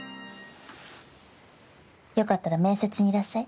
よかったら面接にいらっしゃい。